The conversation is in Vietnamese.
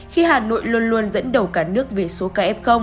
khi hà nội luôn luôn dẫn đầu cả nước về số ca f